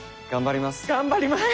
頑張ります！